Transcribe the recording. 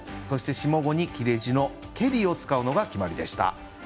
そして下五に切れ字の「けり」を使うのが決まりでした。